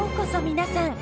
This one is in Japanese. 皆さん。